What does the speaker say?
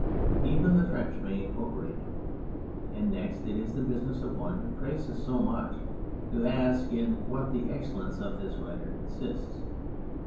Even the French may incorporate him. And next it is the business of one who praises so much to ask in what the excellence of this writer consists.